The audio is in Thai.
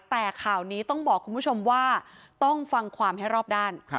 แต่ข่าวนี้ต้องบอกคุณผู้ชมว่าต้องฟังความให้รอบด้าน